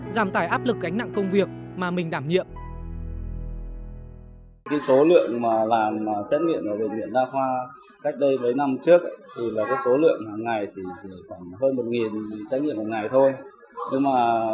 giảm tải áp lực cánh nặng công việc mà mình đảm nhiệm